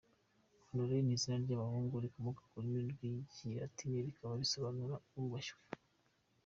Honoré ni izina ry’abahungu rikomoka ku rurimi rw’Ikilatini rikaba risobanura “Uwubashywe”.